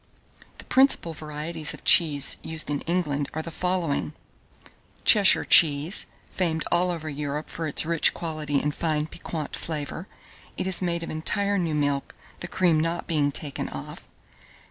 1622. The principal varieties of cheese used in England are the following: Cheshire cheese, famed all over Europe for its rich quality and fine piquant flavour. It is made of entire new milk, the cream not being taken off.